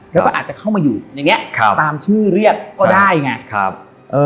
แล้วก็อาจจะเข้ามาอยู่ในนี้ตามชื่อเรียกก็ได้ไง